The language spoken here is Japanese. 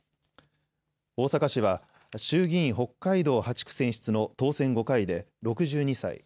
逢坂氏は衆議院北海道８区選出の当選５回で６２歳。